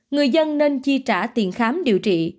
người dân nên chi trả tiền khám điều trị